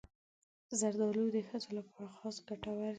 زردالو د ښځو لپاره خاص ګټور دی.